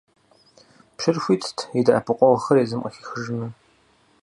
Пщыр хуитт и дэӀэпыкъуэгъухэр езым къыхихыжыну.